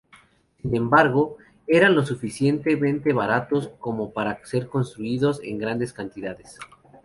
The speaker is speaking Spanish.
Sin embargo, eran lo suficientemente baratos como para ser construidos en grandes cantidades.